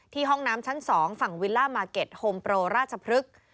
ห้องน้ำชั้น๒ฝั่งวิลล่ามาร์เก็ตโฮมโปรราชพฤกษ์